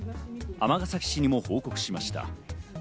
尼崎市にも報告しました。